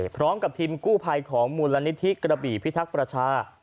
พร้อมกับทีมกู้ภัยของมูลนิธิกระบี่พิทักษ์ประชา